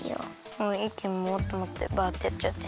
もういっきにもっともっとバってやっちゃって。